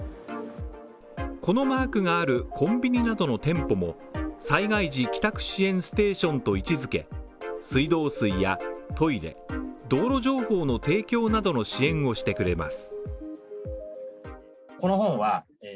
このマークがあるコンビニなどの店舗も、災害時帰宅支援ステーションと位置づけ水道水やトイレ、道路情報の提供などの支援をしてくれます。